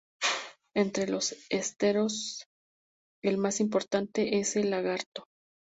Entre los esteros, el más importante es el Lagarto.